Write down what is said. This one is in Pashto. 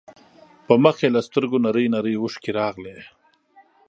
په مخ يې له سترګو نرۍ نرۍ اوښکې راغلې.